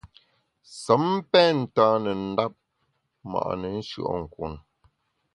Sem pen ntane ndap ma’ne nshùe’nkun.